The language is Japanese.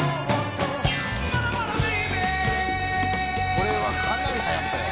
これはかなりはやったよ。